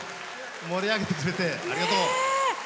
盛り上げてくれてありがとう。